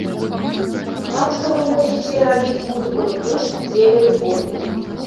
Так што, вы мусіце рабіць музыку выключна дзеля любові.